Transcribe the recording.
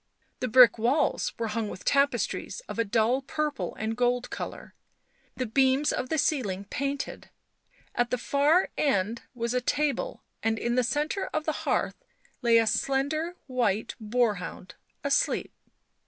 The brick walls were hung with tapestries of a dull purple and gold colour, the beams of the ceiling painted ; at the far end* was a table, and in the centre of the hearth lay a slender white boarhound, asleep.